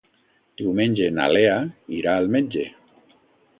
Diumenge na Lea irà al metge.